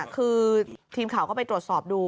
คือทีมข่าวก็ไปตรวจสอบดู